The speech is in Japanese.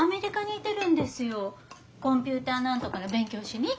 コンピューター何とかの勉強しに。